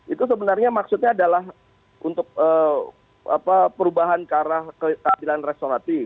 itu sebenarnya maksudnya adalah untuk perubahan karah keadilan restoratif